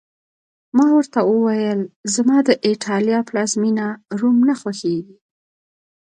ما ورته وویل: زما د ایټالیا پلازمېنه، روم نه خوښېږي.